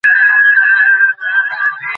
এটা হারিয়ে ফেলবে না তো?